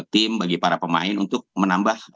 tim bagi para pemain untuk menambah